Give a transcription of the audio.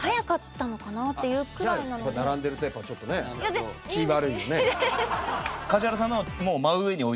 じゃあ並んでるとやっぱちょっとね気ぃ悪いよね。